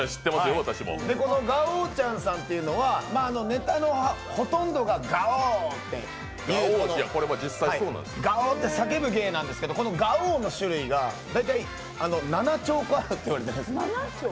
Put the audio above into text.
このガオちゃんさんっていうのはネタのほとんどがガオって叫ぶ芸なんですけどこのガオの種類が７兆個あるといわれてるんです。